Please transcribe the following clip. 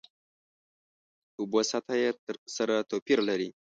د اوبو سطحه یې سره توپیر لري.